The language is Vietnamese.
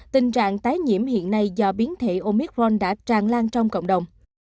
tình trạng tái nhiễm hiện nay do biến thể omicron đã tràn lan trong cộng đồng